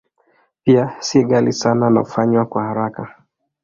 Pia si ghali sana na hufanywa kwa haraka.